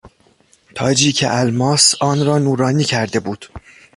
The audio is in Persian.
تاجی که الماس آن را نورانی کرده بود